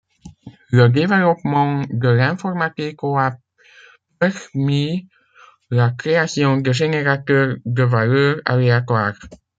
Le développement de l'informatique au a permis la création de générateurs de valeurs aléatoires.